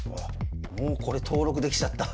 もうこれ登録できちゃった。